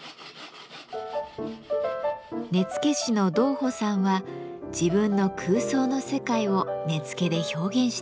根付師の道甫さんは自分の空想の世界を根付で表現しています。